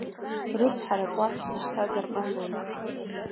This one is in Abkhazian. Рыцҳарак уаԥхьа ишьҭазар ҟалоит.